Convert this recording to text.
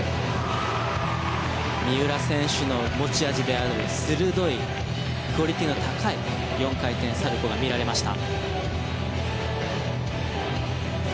三浦選手の持ち味である鋭い、クオリティーの高い４回転サルコウが見られました。